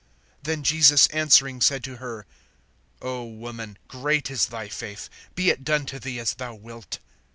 (28)Then Jesus answering said to her: O woman, great is thy faith; be it done to thee as thou wilt.